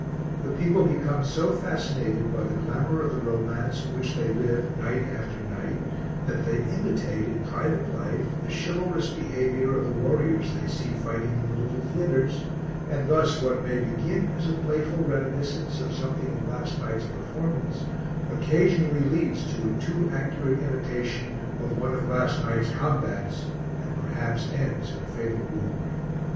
The people become so fascinated by the glamour of the romance in which they live night after night that they imitate in private life the chivalrous behaviour of the warriors they see fighting in the little theatres, and thus what may begin as a playful reminiscence of something in last night's performance occasionally leads to a too accurate imitation of one of last night's combats and perhaps ends in a fatal wound.